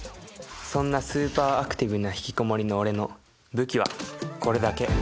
そんなスーパーアクティブなひきこもりの俺の武器はこれだけ